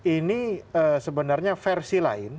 ini sebenarnya versi lain